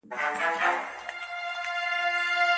که د خلکو په ژبه پوه نشې نو باور یې نشې ګټلای.